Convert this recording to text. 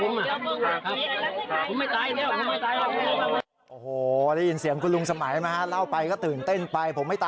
โอ้โหได้ยินเสียงคุณลุงสมัยมาเล่าไปก็ตื่นเต้นไป